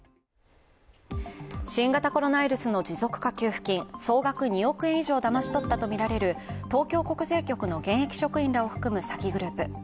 新型コロナウイルスの持続化給付金総額２億円以上をだまし取ったとみられる東京国税局の現役職員らを含む詐欺グループ。